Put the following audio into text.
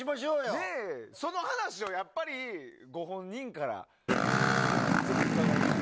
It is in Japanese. その話をご本人からぜひ、伺いたい。